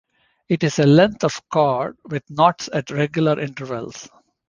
It is a length of cord with knots at regular intervals.